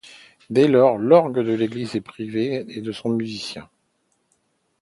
Dès lors, l'orgue de l'église est privée de son musicien.